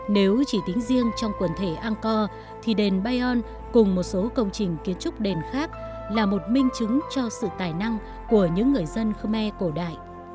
nếu chỉ tính riêng trong quần thể an co thì đền bayon cùng một số công trình kiến trúc đền khác là một minh chứng cho sự tài năng của những người dân khmer cổ đại